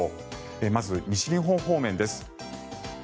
まず、西日本方面です。